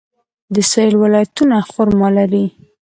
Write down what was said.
د سویل ولایتونه خرما لري.